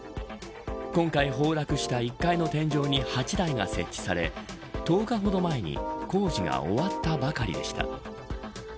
今回、崩落した１階の天井に８台が設置され１０日ほど前に工事が終わったばかりでした。